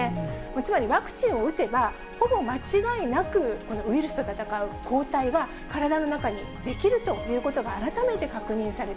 つまりワクチンを打てば、ほぼ間違いなく、このウイルスと戦う抗体が体の中に出来るということが改めて確認